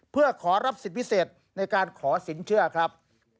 เพื่อขอรับสิทธิ์พิเศษในการขอสินเชื่อครับ